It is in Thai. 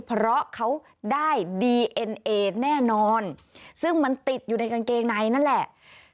เพราะเขาได้ดีเอ็นเอแน่นอนซึ่งมันติดอยู่ในกางเกงในนั่นแหละ